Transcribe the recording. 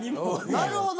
なるほど！